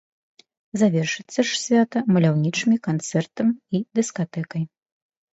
Завершыцца ж свята маляўнічымі канцэртам і дыскатэкай.